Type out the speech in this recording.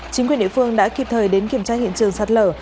chính quyền địa phương đã kịp thời đến kiểm tra hiện trường sạt lở